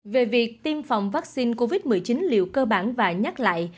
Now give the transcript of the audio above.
về việc tiêm phòng vaccine covid một mươi chín liệu cơ bản và nhắc lại